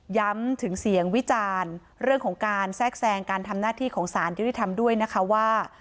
ถึงเสียงวิจารณ์เรื่องของการแทรกแซงการทำหน้าที่ของสารยุติธรรมด้วยนะคะว่า